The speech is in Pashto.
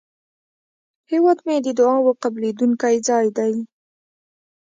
هیواد مې د دعاوو قبلېدونکی ځای دی